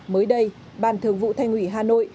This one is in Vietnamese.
mới đây ban thường vụ thành ủy hà nội